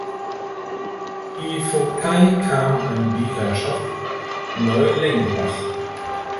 Die Vogtei kam an die Herrschaft Neulengbach.